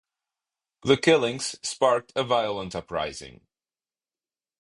The killings sparked a violent uprising.